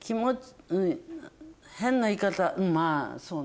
変な言い方まぁそうね。